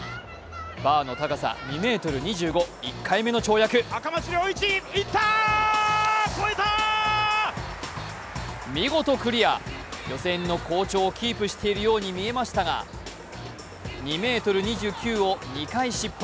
バーの高さ、２ｍ２５、１回目の跳躍、見事クリア、予選の好調をキープしているように見えましたが２ｍ２９を２回失敗。